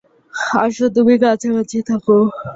আসো তুমি কাছাকাছি থাকো?